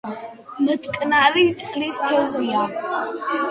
მტკნარი წყლის თევზია.